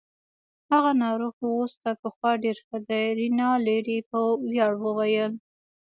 هغه ناروغ اوس تر پخوا ډیر ښه دی. رینالډي په ویاړ وویل.